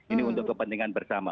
ini untuk kepentingan bersama